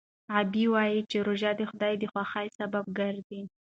غابي وايي چې روژه د خدای د خوښۍ سبب ګرځي.